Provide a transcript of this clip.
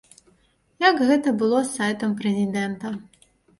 Як гэта было з сайтам прэзідэнта.